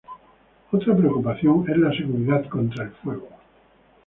Otra preocupación es la seguridad contra el fuego.